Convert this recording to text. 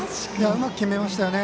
うまく決めましたよね。